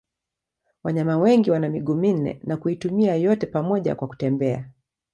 Wanyama wengi wana miguu minne na kuitumia yote pamoja kwa kutembea.